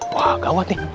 wah gawat nih